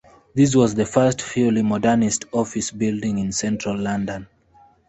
This was the first fully modernist office building in central London.